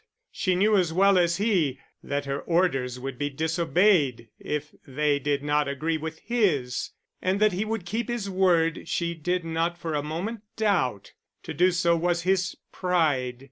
She knew as well as he that her orders would be disobeyed if they did not agree with his; and that he would keep his word she did not for a moment doubt. To do so was his pride.